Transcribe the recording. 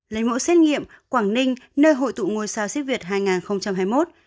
lấy mẫu xét nghiệm quảng ninh nơi hội tụ ngôi sao siếc việt hai nghìn hai mươi một